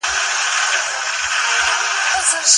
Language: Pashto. که ډیجیټل کتاب وي نو راتلونکی نه خرابیږي.